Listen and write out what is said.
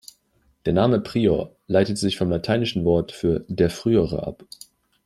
Der Name "Prior" leitet sich vom lateinischen Wort für "der Frühere" ab.